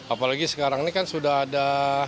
apalagi sekarang ini kan sudah ada